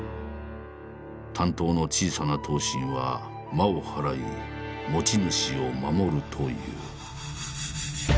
短刀の小さな刀身は魔をはらい持ち主を守るという。